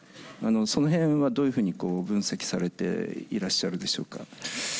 その辺は、どういうふうに分析されていらっしゃるでしょうか？